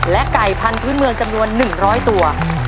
และไก่พันธุ์พื้นเมืองจำนวน๑๐๐ตัว